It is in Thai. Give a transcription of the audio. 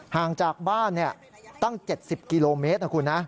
ห่างจากบ้านตั้ง๗๐กิโลเมตรนะคุณนะ